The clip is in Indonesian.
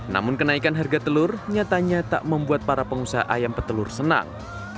namun kenaikan harga telur nyatanya tak membuat para pengusaha ayam petelur senang